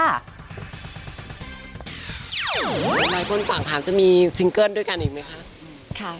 หลายคนสั่งถามจะมีซิงเกิ้ลด้วยกันอีกไหมคะ